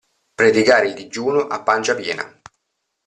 Predicare il digiuno a pancia piena.